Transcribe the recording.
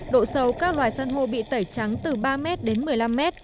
độ sâu các loài san hô bị tẩy trắng từ ba m đến một mươi năm m